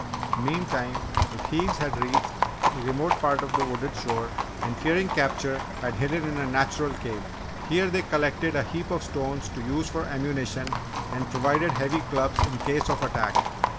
Meantime, the thieves had reached a remote part of the wooded shore and fearing capture had hidden in a natural cave. Here, they collected a heap of stones to use for ammunition and provided heavy clubs in case of attack.